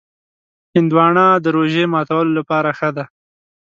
هندوانه د روژې ماتولو لپاره ښه ده.